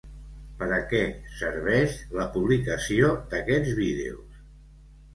Per a què serveix la publicació d'aquests vídeos?